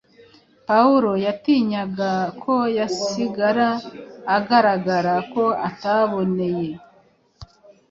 pawulo yatinyaga ko yasigara agaragara ko ataboneye